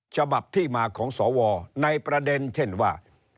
ฉบับที่มาของสวในประเด็นเช่นว่า